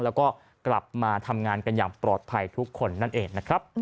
แล้วก็กลับมาทำงานกันอย่างปลอดภัยทุกคนนั่นเองนะครับ